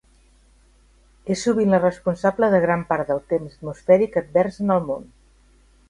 És sovint la responsable de gran part del temps atmosfèric advers en el món.